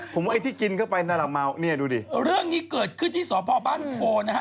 ผมว่าไอ้ที่กินเข้าไปนั่นแหละเมาเนี่ยดูดิเรื่องนี้เกิดขึ้นที่สพบ้านโพนะฮะ